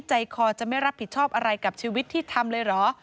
ใจคอจะไม่รับผิดชอบอะไรกับชีวิตที่ทำเลยเหรอ